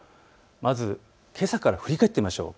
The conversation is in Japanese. まず、けさから振り返ってみましょう。